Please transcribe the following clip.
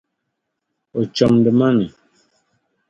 O chomdi ma mi.